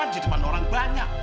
di depan orang banyak